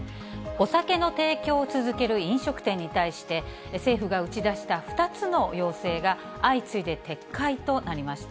お酒の提供を続ける飲食店に対して、政府が打ち出した２つの要請が、相次いで撤回となりました。